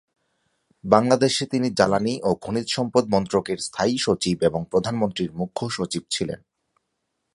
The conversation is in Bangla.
বাংলাদেশে তিনি জ্বালানি ও খনিজ সম্পদ মন্ত্রকের স্থায়ী সচিব এবং প্রধানমন্ত্রীর মূখ্য সচিব ছিলেন।